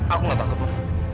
aku tidak takut ma